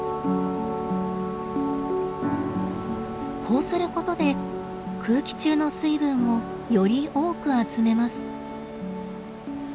こうすることで空気中の水分をより多く集めます。